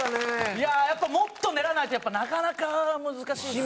いやあやっぱもっと練らないとなかなか難しいですね。